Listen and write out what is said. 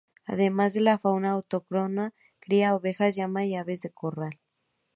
Además de la fauna autóctona, crían ovejas, llamas y aves de corral.